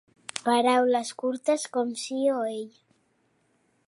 Paraules curtes com si o ell.